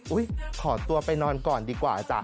ขอตัวไปนอนก่อนดีกว่าจ๊ะ